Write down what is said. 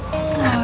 gak ada sih